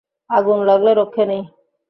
আগুন লাগলে রক্ষে নেই।